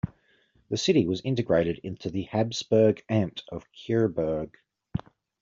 The city was integrated into the Habsburg "Amt" of Kyburg.